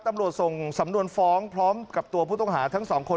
ตำรวจส่งสำนวนฟ้องพร้อมกับตัวผู้ต้องหาทั้งสองคน